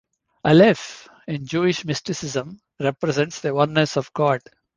Aleph, in Jewish mysticism, represents the oneness of God.